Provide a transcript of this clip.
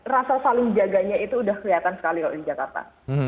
rasa saling jaganya itu udah kelihatan sekali kalau di jakarta